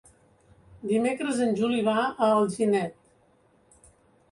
Dimecres en Juli va a Alginet.